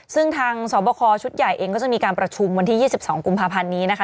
ซึ่งทางสอบคอชุดใหญ่เองก็จะมีการประชุมวันที่๒๒กุมภาพันธ์นี้นะคะ